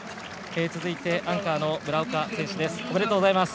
続いて、アンカーの村岡選手です。